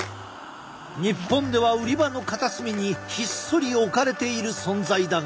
日本では売り場の片隅にひっそり置かれている存在だが。